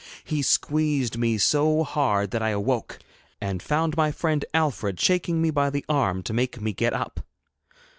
He squeezed me so hard that I awoke, and found my friend Alfred shaking me by the arm to make me get up.